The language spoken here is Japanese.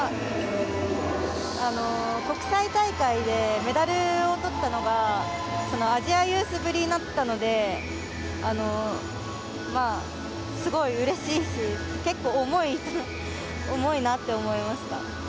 国際大会でメダルをとったのがアジアユースぶりだったのですごいうれしいし結構重いなって思いました。